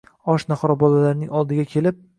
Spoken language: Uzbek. Och-nahor bolalarning oldiga kelib